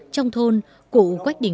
trong thôn cụ quách đình phúc là người mường